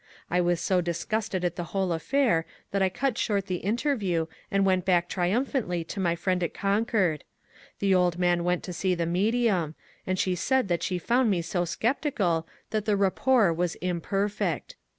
I was so disgusted at the whole affair that I cut short the interview, and went back triumphantly to my old friend at Concord. The old man went to see the medium, and she said that she foimd me so sceptical that the rapport was imperfect.